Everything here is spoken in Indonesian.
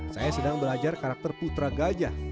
saya sedang belajar karakter putra gajah